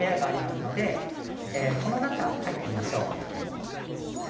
こちらに入ってみましょう。